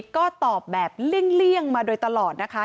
ก็ตอบแบบเลี่ยงมาโดยตลอดนะคะ